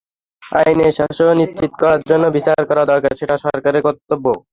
আইনের শাসন নিশ্চিত করার জন্য বিচার করা দরকার, সেটা সরকারের কর্তব্য।